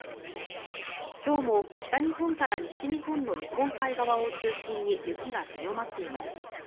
今日も北日本から西日本の日本海側を中心に雪が強まっています。